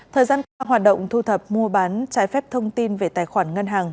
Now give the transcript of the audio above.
thời gian hoạt động thu thập mua bán trái phép thông tin về tài khoản ngân hàng